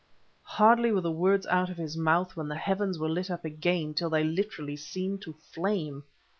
Hardly were the words out of his mouth when the heavens were lit up again till they literally seemed to flame.